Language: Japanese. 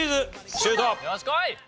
シュート！